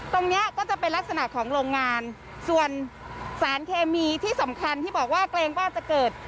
เนี้ยก็จะเป็นลักษณะของโรงงานส่วนสารเคมีที่สำคัญที่บอกว่าเกรงว่าจะเกิด